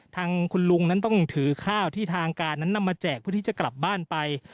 ทางคุณลุงนั้นต้องถือข้าวที่ทางการนั้นนำมาแจกเพื่อที่จะกลับบ้านไป